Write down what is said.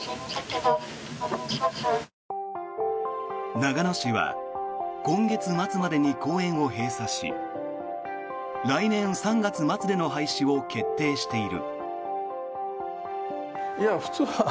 長野市は今月末までに公園を閉鎖し来年３月末での廃止を決定している。